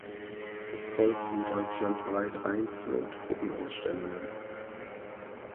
Es folgten deutschlandweit Einzel- und Gruppenausstellungen.